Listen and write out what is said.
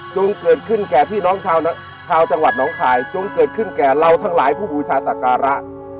จงเกิดขึ้นแก่พี่น้องชาวจังหวัดน้องคายจงเกิดขึ้นแก่เราทั้งหลายผู้บูชาศักระ